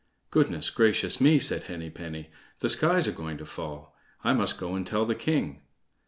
"Goodness gracious me!" says Henny penny; "the sky's a going to fall; I must go and tell the king."